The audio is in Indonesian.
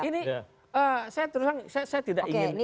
ini saya terus terang saya tidak ingin